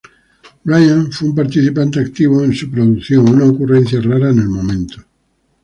Brian fue un participante activo en su producción, una ocurrencia rara en el momento.